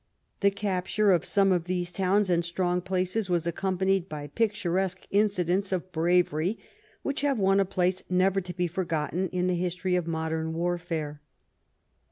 The capture of some of these towns and strong places was accompanied by picturesque inci dents of bravery which have won a place never to be forgotten in the history of modem warfare.